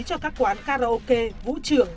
cho các quán karaoke vũ trường